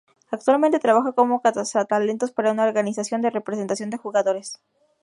Actualmente trabaja como cazatalentos para una organización de representación de jugadores.